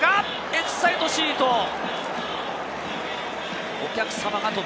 エキサイトシート。